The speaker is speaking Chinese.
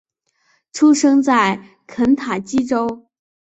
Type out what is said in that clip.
出生在肯塔基州。